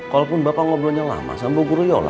walaupun bapak ngobrolnya lama sama bu guru yola